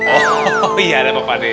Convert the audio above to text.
oh iya ada apa pak d